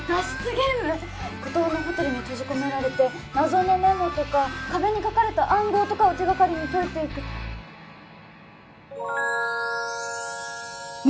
ゲーム孤島のホテルに閉じ込められて謎のメモとか壁に描かれた暗号とかを手がかりに解いていくネ！